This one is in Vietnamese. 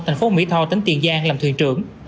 thành phố mỹ tho tỉnh tiền giang làm thuyền trưởng